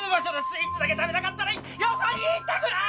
スイーツだけ食べたかったらよそに行ってくれ‼